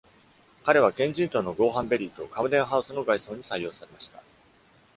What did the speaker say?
彼はケンジントンのゴーハンベリーとカムデンハウスの外装に採用されました。